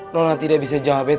nona tidak bisa jawab